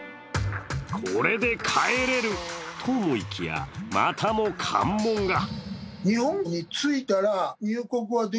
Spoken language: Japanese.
これで帰れると思いきやまたも関門が。